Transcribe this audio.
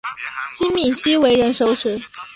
金珉锡为人熟识。